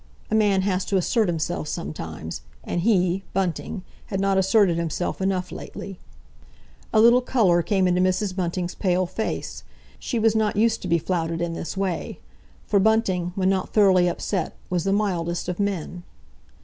A man has to assert himself sometimes, and he, Bunting, had not asserted himself enough lately. A little colour came into Mrs. Bunting's pale face. She was not used to be flouted in this way. For Bunting, when not thoroughly upset, was the mildest of men.